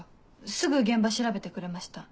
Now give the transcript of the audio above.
すぐ現場調べてくれました。